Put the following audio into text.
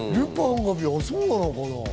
じゃあ、そうなのかな？